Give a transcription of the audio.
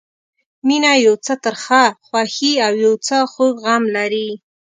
مینه یو څه ترخه خوښي او یو څه خوږ غم لري.